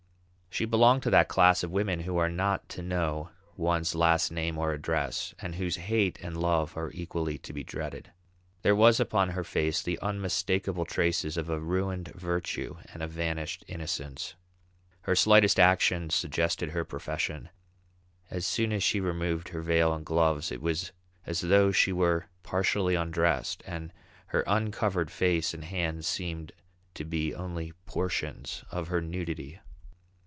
She belonged to that class of women who are not to know one's last name or address, and whose hate and love are equally to be dreaded. There was upon her face the unmistakable traces of a ruined virtue and a vanished innocence. Her slightest action suggested her profession; as soon as she removed her veil and gloves it was as though she were partially undressed, and her uncovered face and hands seemed to be only portions of her nudity.